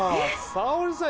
さおりさん